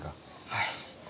はい。